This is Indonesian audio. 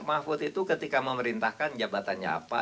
mahfud itu ketika memerintahkan jabatannya apa